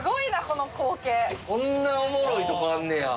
こんなおもろいとこあんねや。